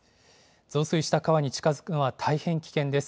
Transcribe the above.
増水した川に近づくのは大変危険です。